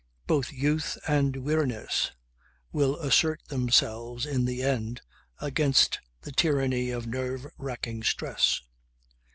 Both youth and weariness will assert themselves in the end against the tyranny of nerve racking stress.